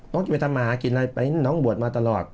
น้องกินไว้ทำหมากินอะไรไปน้องบวชมาตลอด